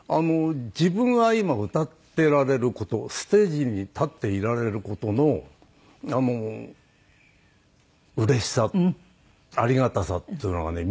自分が今歌ってられる事をステージに立っていられる事のあのうれしさありがたさっていうのがね